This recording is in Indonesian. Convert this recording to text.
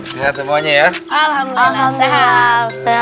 tak semuanya ya alhamdulillah